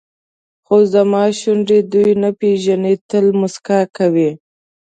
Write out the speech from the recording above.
خو زما شونډې دوی نه پېژني تل موسکا کوي.